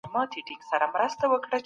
ډیپسیک هڅه کوي زیان ونه رسوي.